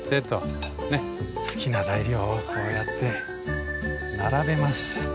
好きな材料をこうやって並べます。